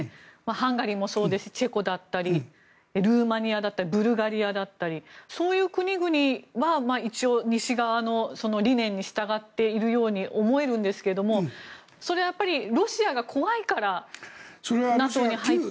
ハンガリーもそうですしチェコだったりルーマニアだったりブルガリアだったりそういう国々は一応、西側の理念に従っているように思えるんですがそれは、やっぱりロシアが怖いからＮＡＴＯに入って。